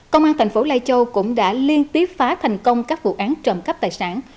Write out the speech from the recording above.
công an thành phố lai châu cũng đã liên tiếp phá thành công các vụ án trộm cắp tài sản